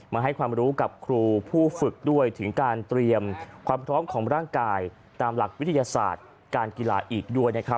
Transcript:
มาให้ความรู้กับครูผู้ฝึกด้วยถึงการเตรียมความพร้อมของร่างกายตามหลักวิทยาศาสตร์การกีฬาอีกด้วยนะครับ